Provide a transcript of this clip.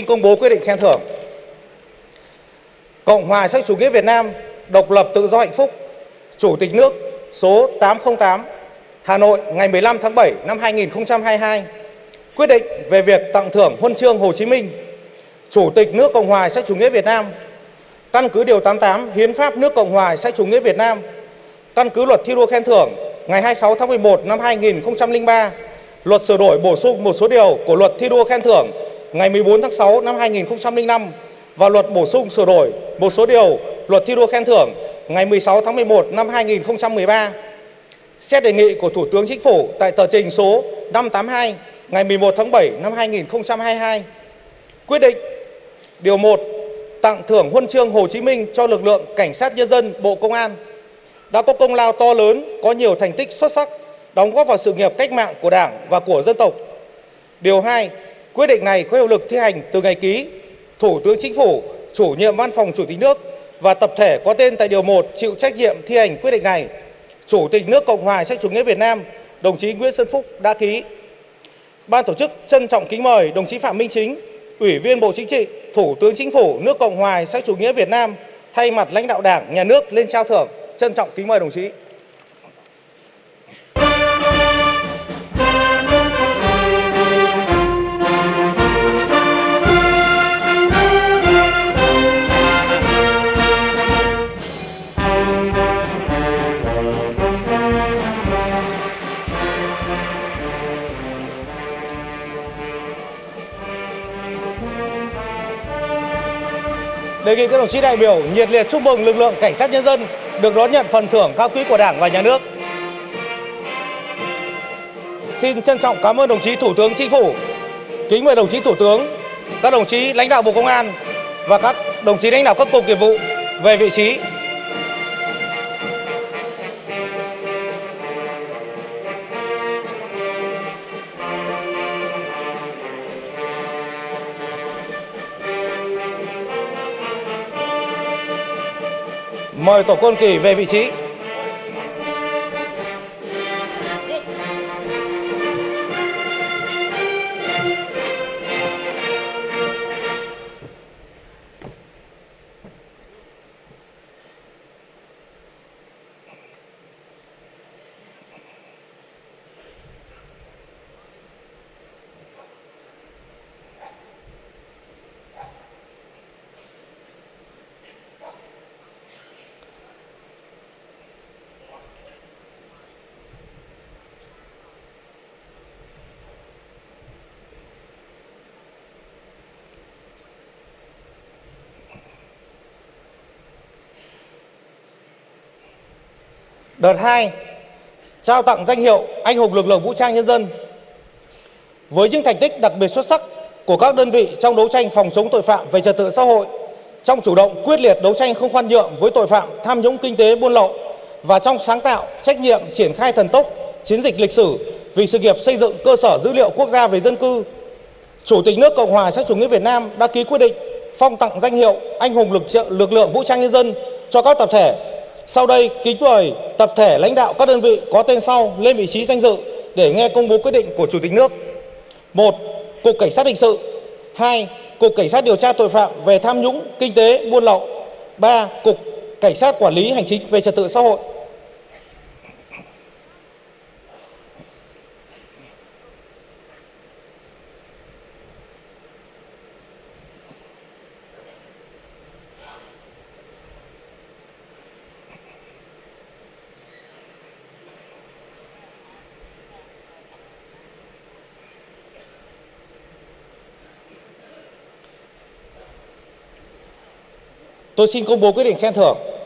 cảnh sát nhân dân đào tạo lực lượng cảnh sát nhân dân đào tạo lực lượng cảnh sát nhân dân đào tạo lực lượng cảnh sát nhân dân đào tạo lực lượng cảnh sát nhân dân đào tạo lực lượng cảnh sát nhân dân đào tạo lực lượng cảnh sát nhân dân đào tạo lực lượng cảnh sát nhân dân đào tạo lực lượng cảnh sát nhân dân đào tạo lực lượng cảnh sát nhân dân đào tạo lực lượng cảnh sát nhân dân đào tạo lực lượng cảnh sát nhân dân đào tạo lực lượng cảnh sát nhân dân đào tạo lực lượng